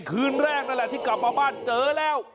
คืนแรกนั่นแหละที่กลับมาบ้านเจอแล้ว